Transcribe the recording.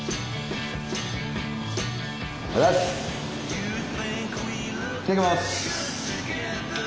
いただきます。